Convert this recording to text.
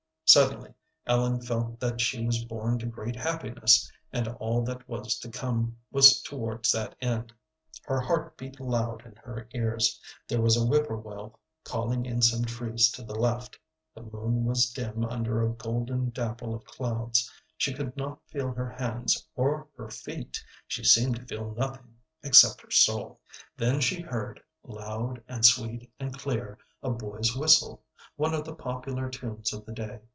Suddenly Ellen felt that she was born to great happiness, and all that was to come was towards that end. Her heart beat loud in her ears. There was a whippoorwill calling in some trees to the left; the moon was dim under a golden dapple of clouds. She could not feel her hands or her feet; she seemed to feel nothing except her soul. Then she heard, loud and sweet and clear, a boy's whistle, one of the popular tunes of the day.